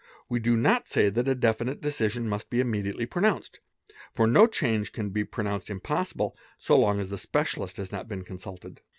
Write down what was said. We do not say that a definite decision must be immediately pronounced, for no change can be pronounced impossible so long as the specialist has not been consulted.